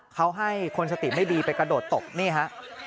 เขาให้คนสติไม่ดีไปกระโดดตบนี่ฮะ